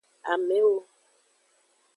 Amewo.